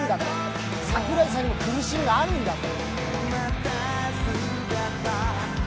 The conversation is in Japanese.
桜井さんにも苦しみがあるんだと。